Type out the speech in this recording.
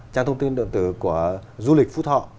trang thông tin điện tử của du lịch phú thọ